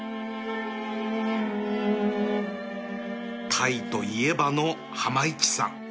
タイといえばの濱壹さん